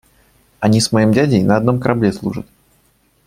– Они с моим дядей на одном корабле служат.